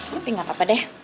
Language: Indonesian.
tapi gak apa deh